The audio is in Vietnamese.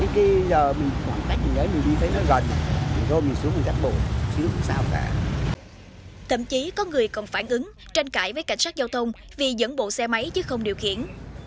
thậm chí có người còn phản ứng tranh cãi với cảnh sát giao thông vì dẫn bộ xe máy chứ không điều khiển